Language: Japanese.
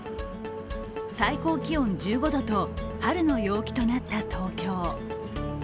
最高気温１５度と春の陽気となった東京。